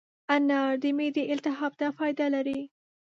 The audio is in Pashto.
انار د معدې التهاب ته فایده لري.